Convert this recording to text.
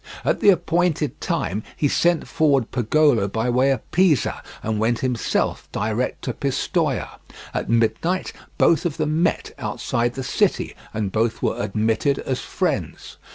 At the appointed time he sent forward Pagolo by way of Pisa, and went himself direct to Pistoia; at midnight both of them met outside the city, and both were admitted as friends.